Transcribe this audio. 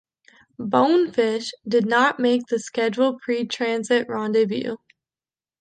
"Bonefish" did not make the scheduled pre-transit rendezvous.